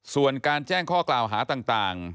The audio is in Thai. ส่วนการแจ้งข้อกล่าวหาต่าง